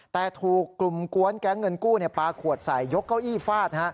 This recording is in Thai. แต่ถูกกลุ่มกวนแก๊งเงินกู้ปลาขวดใส่ยกเก้าอี้ฟาด